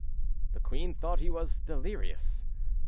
The queen thought he was delirious.